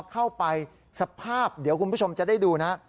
เข้าไปสภาพเดี๋ยวคุณผู้ชมจะได้ดูนะ